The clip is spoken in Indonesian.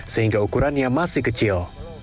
sehingga ukurannya masih kecil